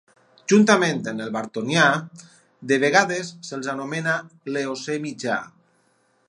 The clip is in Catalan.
Juntament amb el Bartonià, de vegades se'ls anomena l'Eocè mitjà.